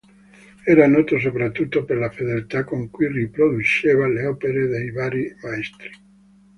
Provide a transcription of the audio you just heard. Era noto soprattutto per la fedeltà con cui riproduceva le opere dei vari maestri.